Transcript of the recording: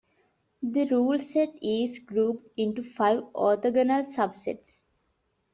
The rule-set is grouped into five orthogonal subsets.